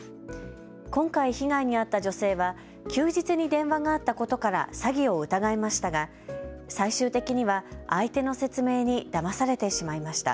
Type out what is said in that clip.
今回、被害に遭った女性は休日に電話があったことから詐欺を疑いましたが最終的には相手の説明にだまされてしまいました。